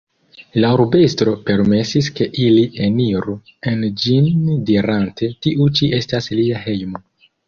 La urbestro permesis ke ili eniru en ĝin dirante "Tiu ĉi estas lia hejmo.